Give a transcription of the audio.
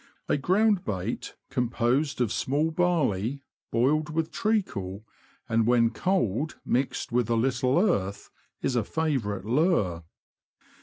A ground bait composed of small barley, boiled with treacle, and when cold mixed with a little earth, is a favourite lure.